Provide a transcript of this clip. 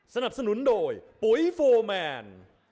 สนับสนุนโดยปุ๋ยโฟร์แมน